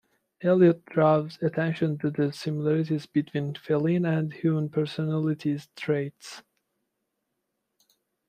Eliot draws attention to the similarities between feline and human personality traits.